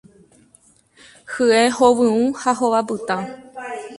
Hye hovyũ ha hova pytã.